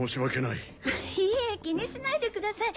いいえ気にしないでください。